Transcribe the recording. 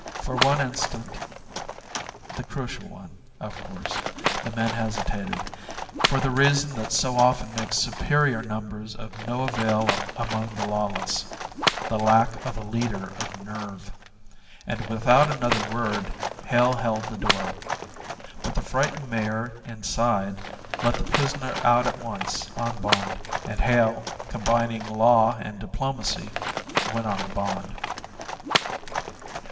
For one instant the crucial one, of course the men hesitated, for the reason that so often makes superior numbers of no avail among the lawless the lack of a leader of nerve and without another word Hale held the door. But the frightened mayor inside let the prisoner out at once on bond and Hale, combining law and diplomacy, went on the bond.